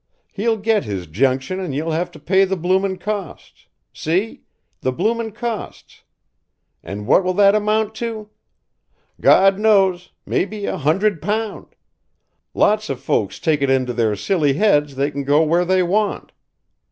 He'll get his 'junction and you'll have to pay the bloomin' costs see the bloomin' costs, and what will that amahnt to? Gawd knows, maybe a hundred pound. Lots of folks take it into their silly heads they can go where they want.